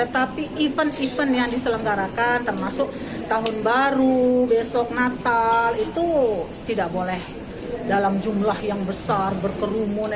tapi event event yang diselenggarakan termasuk tahun baru besok natal itu tidak boleh dalam jumlah yang besar berkerumun